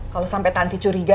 kalau sampai tanti curiga